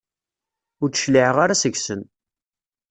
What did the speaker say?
Ur d-cliɛeɣ ara seg-sen.